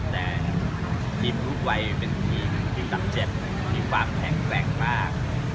แต่ทีมฮุกวัยเป็นทีมที่ตัดเจ็ดมีความแข็งแกร่งมาก